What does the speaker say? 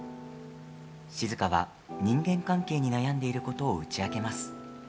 静は人間関係に悩んでいることを打ち明けます。